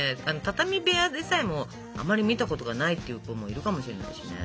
畳部屋でさえもあまり見たことがないっていう子もいるかもしれないしね。